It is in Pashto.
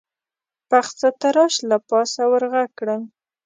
پخڅه تراش له پاسه ور غږ کړل: